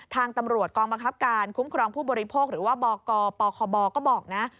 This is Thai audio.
ทางตำรวจกองบังคับการคุ้มครองผู้บริโภคหรือว่าบกปคบก็บอกนะ